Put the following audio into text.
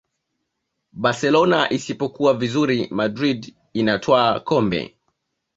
barcelona isipokuwa vizuri madrid inatwaa kombe